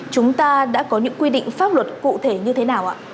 chúng ta đã có những quy định pháp luật cụ thể như thế nào ạ